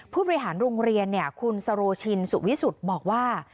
ผู้บริหารโรงเรียนคุณสโรชินสุวิสุทธิ์บอกว่า